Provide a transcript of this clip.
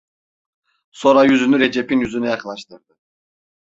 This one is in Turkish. Sora yüzünü Recep'in yüzüne yaklaştırdı.